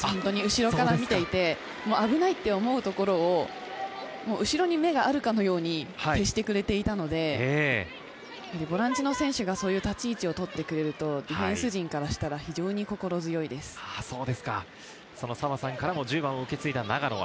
後ろから見ていて、危ないと思うところを、後ろに目があるかのように消してくれていたので、ボランチの選手がそういう立ち位置をとってくれるとディフェンス澤さんから１０番を受け継いだ長野。